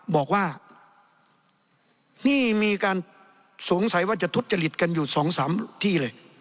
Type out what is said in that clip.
บอกว่านี่มีการสงสัยว่าจะทุจริตกันอยู่๒๓ที่เลย